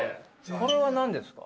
これは何ですか？